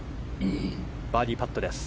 バーディーパットです。